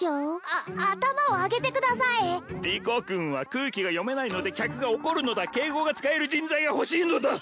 あ頭を上げてくださいリコ君は空気が読めないので客が怒るのだ敬語が使える人材が欲しいのだ！